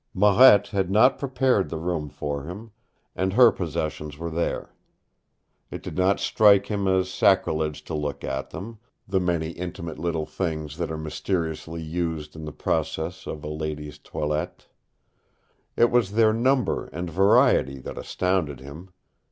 Marette had not prepared the room for him, and her possessions were there. It did not strike him as sacrilege to look at them, the many intimate little things that are mysteriously used in the process of a lady's toilette. It was their number and variety that astounded him.